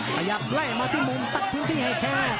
ขยับไล่มาที่มุมตัดผิวที่ไฮแคร์